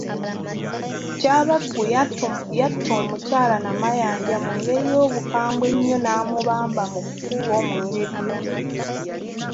Kyabaggu yatta omukyala Namayanja mu ngeri y'obukambwe ennyo n'amubamba mu kubo mu ngeri embi.